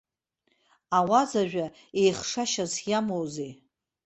Ауаз ажәа еихшашьас иамоузеи!